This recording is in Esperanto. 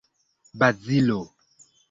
Bazilo!